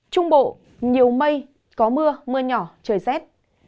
trung bộ nhiều mây có mưa mưa nhỏ trời rét